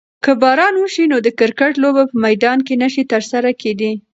که باران وشي نو د کرکټ لوبه په میدان کې نشي ترسره کیدی.